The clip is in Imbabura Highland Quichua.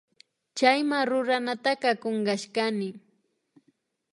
Chayma ruranataka kunkashkani